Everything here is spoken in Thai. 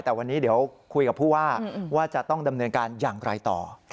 แต่วันนี้เดี๋ยวคุยกับผู้ว่าว่าจะต้องดำเนินการอย่างไรต่อ